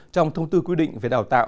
trong thông tư quy định về đào tạo